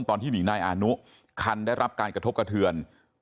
ตอนที่หนีนายอานุคันได้รับการกระทบกระเทือน